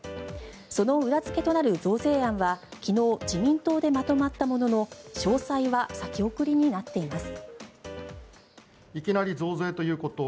その裏付けとなる増税案は昨日、自民党でまとまったものの詳細は先送りになっています。